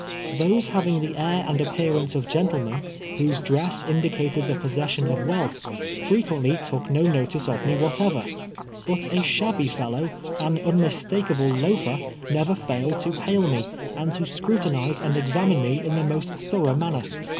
Tliose having the air and a])})earance of gentlemen, whose dress . indicated the possession of wealth, frerpiently took no notice of me Avhatever ; but a shabby fellow, an un mistahalde loafer, never failed to hail me, and to scrutinize and examine me in the most thorough man ner.